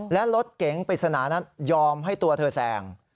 และรถเก๋งปริศนานั้นยอมให้ตัวเธอแซง